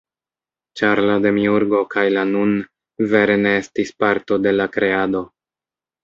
Ĉar la Demiurgo kaj la "Nun" vere ne estis parto de la Kreado.